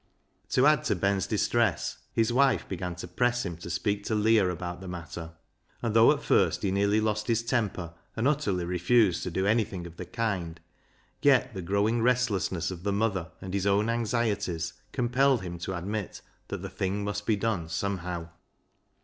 To add to Ben's distress, his wife began to press him to speak to Leah about the matter ; and though at first he nearly lost his temper, and utterly refused to do anything of the kind, yet the growing restlessness of the mother and his own anxieties compelled him to admit that the thing must be done somehow.